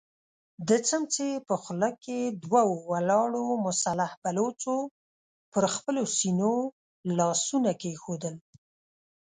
د سمڅې په خوله کې دوو ولاړو مسلح بلوڅو پر خپلو سينو لاسونه کېښودل.